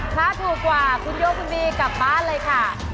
ถ้าถูกกว่าคุณโยคุณบีกลับบ้านเลยค่ะ